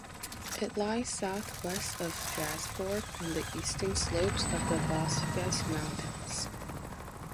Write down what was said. It lies southwest of Strasbourg, on the eastern slopes of the Vosges mountains.